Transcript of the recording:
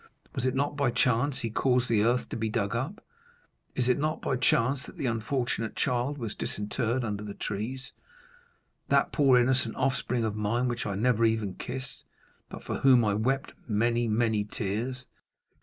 Was it not by chance he caused the earth to be dug up? Is it not by chance that the unfortunate child was disinterred under the trees?—that poor innocent offspring of mine, which I never even kissed, but for whom I wept many, many tears.